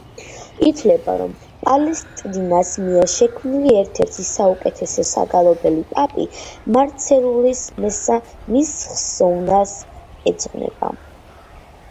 ითვლება, რომ პალესტრინას მიერ შექმნილი ერთ-ერთი საუკეთესო საგალობელი პაპი მარცელუსის მესა მის ხსოვნას ეძღვნება.